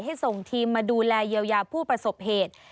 ส่งทีมมาดูแลเยียวยาผู้ประสบเหตุ